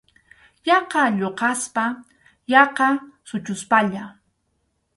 Yaqa lluqaspa, yaqa suchuspalla.